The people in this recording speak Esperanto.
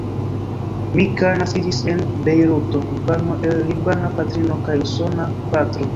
Mika naskiĝis en Bejruto, Libano el libana patrino kaj usona patro.